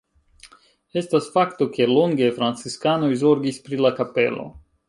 Estas fakto, ke longe franciskanoj zorgis pri la kapelo.